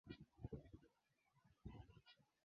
elimu inasababisha kupungua kwa morani wa masai